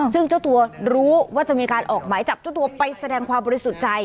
ซึ่งเจ้าตัวรู้ว่าจะมีการออกหมายจับเจ้าตัวไปแสดงความบริสุทธิ์ใจ